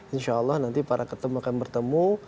insya allah nanti para ketum akan bertemu